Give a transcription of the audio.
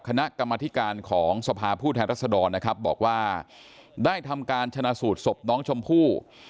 คณะกรรมธิการของสภาผู้แทนรัศดรนะครับบอกว่าได้ทำการชนะสูตรศพน้องชมพู่